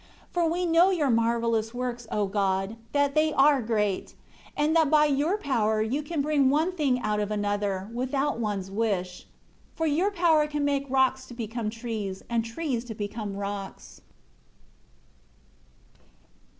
14 For we know Your marvelous works, O God, that they are great, and that by Your power You can bring one thing out of another, without one's wish. For Your power can make rocks to become trees, and trees to become rocks."